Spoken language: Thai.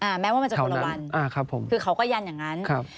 แม้ว่ามันจะคนละวันอ่าครับผมคือเขาก็ยันอย่างงั้นครับ